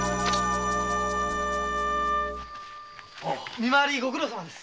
見回りご苦労さまです。